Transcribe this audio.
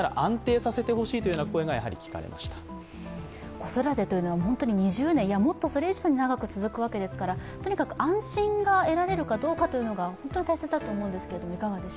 子育てというのは２０年、もっとそれ以上に長く続くわけですからとにかく安心が得られるかどうかが大切だと思います。